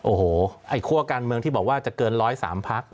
โอ้โหไอ้คั่วการเมืองที่บอกว่าจะเกิน๑๐๓พัก